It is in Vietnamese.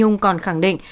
phi nhung còn khẳng định